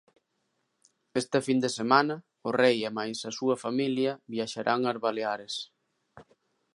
Esta fin de semana o Rei e máis a súa familia viaxarán ás Baleares.